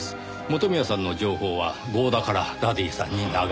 元宮さんの情報は合田からダディさんに流れた。